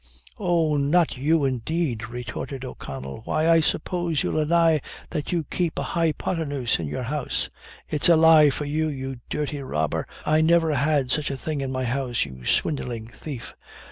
"Oh, not you, indeed!" retorted O'Connell; "why, I suppose you'll deny that you keep a hypothenuse in your house." "It's a lie for you, you dirty robber, I never had such a thing in my house, you swindling thief."